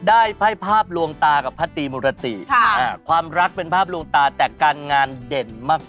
ไพ่ภาพลวงตากับพระตรีมุรติความรักเป็นภาพลวงตาแต่การงานเด่นมาก